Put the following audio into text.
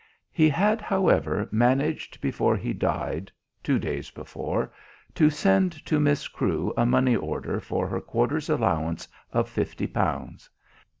He had, however, managed, before he died (two days before), to send to Miss Crewe a money order for her quarter's allowance of fifty pounds.